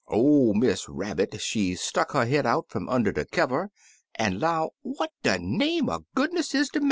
01' Miss Rabbit, she stuck her head out fum under de kiwer, an' 'low, *What de name er goodness is de matter?